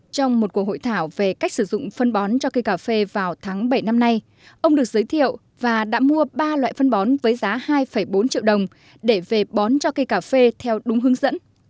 trong một cuộc hội thảo về cách sử dụng phân bón cho cây cà phê vào tháng bảy năm nay ông được giới thiệu và đã mua ba loại phân bón với giá hai bốn triệu đồng để về bón cho cây cà phê theo đúng hướng dẫn